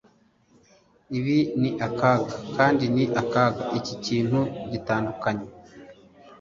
Ibi ni akaga kandi ni akaga Iki nikintu gitandukanye